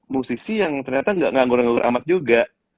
musisi yang ternyata nggak nganggur nganggur amat juga